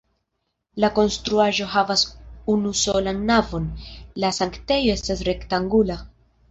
La konstruaĵo havas unusolan navon, la sanktejo estas rektangula.